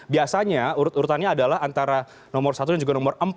biasanya urut urutannya adalah antara nomor satu dan juga nomor empat